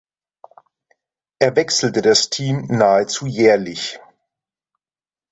Er wechselte das Team nahezu jährlich.